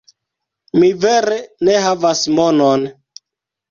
Mi vere ne havas monon